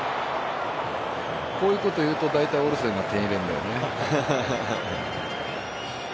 こういうこと言うと大体、オルセンが点を入れるんだよね。